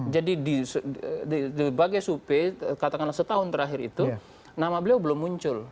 jadi di bagai sup katakanlah setahun terakhir itu nama beliau belum muncul